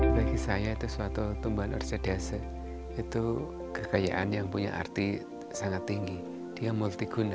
bagi saya itu suatu tumbuhan orsedase itu kekayaan yang punya arti sangat tinggi dia multiguna